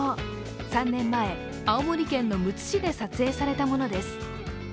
３年前、青森県のむつ市で撮影されたものです。